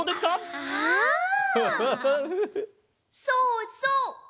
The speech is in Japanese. そうそう！